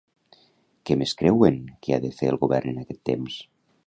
Què més creuen que ha de fer el Govern en aquest temps?